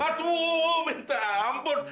aduh minta ampun